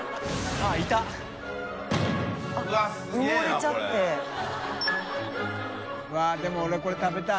錙舛でも俺これ食べたい。